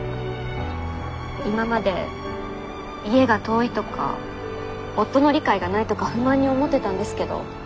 今まで家が遠いとか夫の理解がないとか不満に思ってたんですけど。